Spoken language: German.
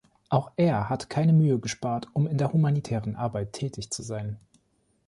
Auch er hat keine Mühe gespart um in der humanitären Arbeit tätig zu sein.